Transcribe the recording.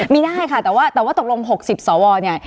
มีได้ค่ะแต่ว่าตกลง๖๐สวเนี่ย